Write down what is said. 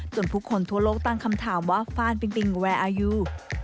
ผู้คนทั่วโลกตั้งคำถามว่าฟ่านปิงปิงแวร์อายุ